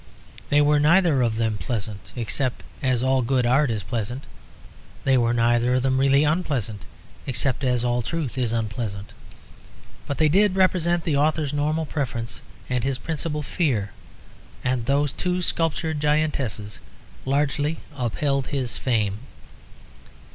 They were neither of them pleasant, except as all good art is pleasant. They were neither of them really unpleasant except as all truth is unpleasant. But they did represent the author's normal preference and his principal fear; and those two sculptured giantesses largely upheld his fame.